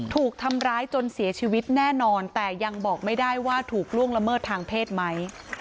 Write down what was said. ถูกทำร้ายจนเสียชีวิตแน่นอนแต่ยังบอกไม่ได้ว่าถูกล่วงละเมิดทางเพศไหม